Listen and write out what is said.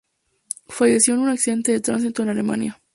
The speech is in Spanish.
Falleció en un accidente de tránsito en Alemania.